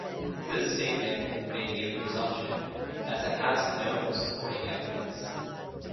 This statement may be a presumption as it has no supporting evidence.